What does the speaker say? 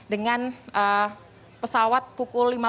dengan pesawat pukul lima belas